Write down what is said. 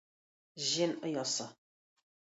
Җен оясы.